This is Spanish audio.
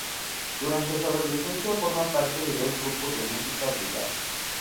Durante su adolescencia forma parte de dos grupos de música jazz.